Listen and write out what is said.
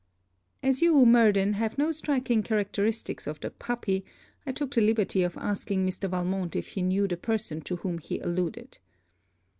As you, Murden, have no striking characteristics of the puppy, I took the liberty of asking Mr. Valmont, if he knew the person to whom he alluded.